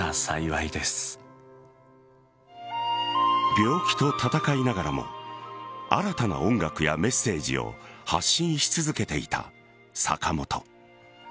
病気と闘いながらも新たな音楽やメッセージを発信し続けていた坂本。